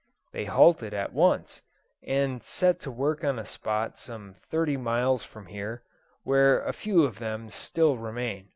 They halted at once, and set to work on a spot some thirty miles from here, where a few of them still remain.